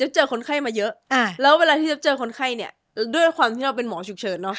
เจอคนไข้มาเยอะแล้วเวลาที่จะเจอคนไข้เนี่ยด้วยความที่เราเป็นหมอฉุกเฉินเนาะ